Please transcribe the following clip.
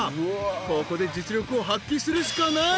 ［ここで実力を発揮するしかない］